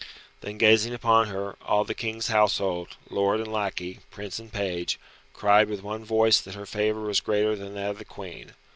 Then gazing upon her, all the King's household, lord and lackey, prince and page, cried with one voice that her favour was greater than that of the Queen.